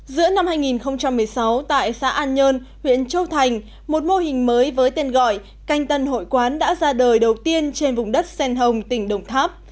giữa năm hai nghìn một mươi sáu tại xã an nhơn huyện châu thành một mô hình mới với tên gọi canh tân hội quán đã ra đời đầu tiên trên vùng đất xen hồng tỉnh đồng tháp